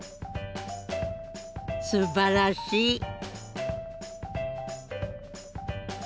すばらしい。